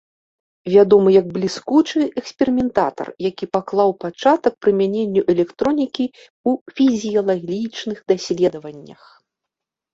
Вядомы як бліскучы эксперыментатар, які паклаў пачатак прымяненню электронікі ў фізіялагічных даследаваннях.